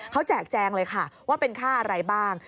เขาแจกแจงเลยค่ะว่าเป็นค่าอะไรบ้าง